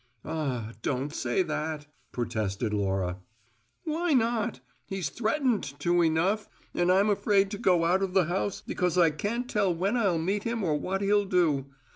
"Ah, don't say that," protested Laura. "Why not? He's threatened to enough. And I'm afraid to go out of the house because I can't tell when I'll meet him or what he'll do.